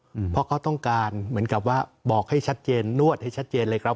เพราะเขาต้องการเหมือนกับว่าบอกให้ชัดเจนนวดให้ชัดเจนเลยครับ